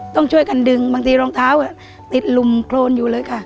ต้องช่วยกันดึงบางทีรองเท้าติดลุมโครนอยู่เลยค่ะ